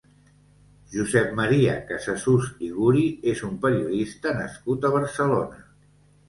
Josep Maria Casasús i Guri és un periodista nascut a Barcelona.